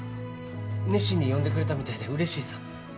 熱心に読んでくれたみたいでうれしいさ。